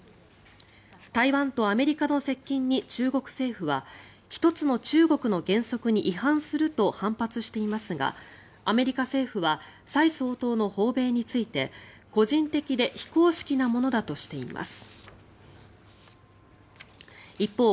台湾とアメリカの接近に中国政府は一つの中国の原則に違反すると反発していますがアメリカ政府は蔡総統の訪米について個人的で非公式なものだとしています。